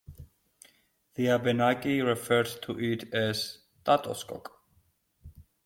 The Abenaki referred to it as "Tatoskok".